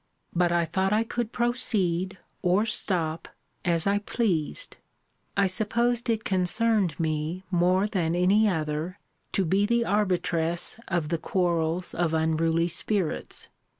But I thought I could proceed, or stop, as I pleased. I supposed it concerned me, more than any other, to be the arbitress of the quarrels of unruly spirits.